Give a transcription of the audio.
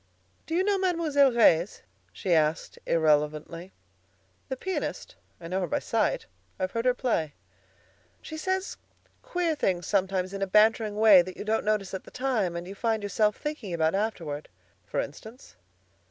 "Do you know Mademoiselle Reisz?" she asked irrelevantly. "The pianist? I know her by sight. I've heard her play." "She says queer things sometimes in a bantering way that you don't notice at the time and you find yourself thinking about afterward." "For instance?"